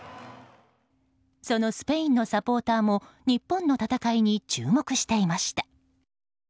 そのスペインのサポーターも日本の戦いに注目していました。